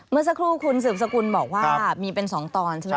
เมื่อสักครู่คุณสืบสกุลบอกว่ามีเป็น๒ตอนใช่ไหม